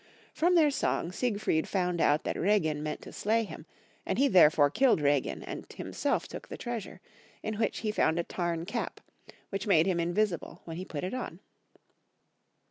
From their song Siegfried found out that Reginn meant to slay him, and he therefore killed Reginn and himself took the treasure, in which he found a tarn cap, which made him invisible when he put it on.